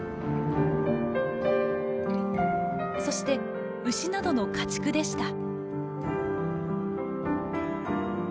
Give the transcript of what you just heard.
そして牛などの家畜でした。